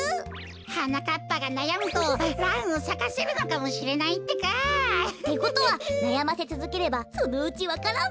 はなかっぱがなやむとランをさかせるのかもしれないってか！ってことはなやませつづければそのうちわか蘭も。